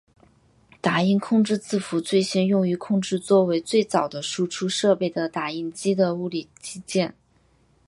打印控制字符最先用于控制作为最早的输出设备的打印机的物理机件。